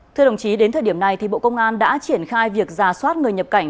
thưa đồng chí đến thời điểm này bộ công an đã triển khai việc giả soát người nhập cảnh